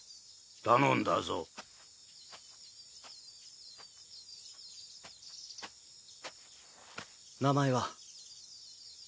頼んだぞ名前は？